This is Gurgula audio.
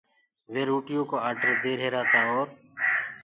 وي روٽيو ڪو آڊر دي ريهرآ تآ اور